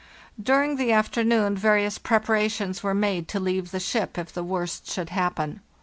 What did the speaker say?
" During the afternoon various preparations were made to leave the ship if the worst should happen.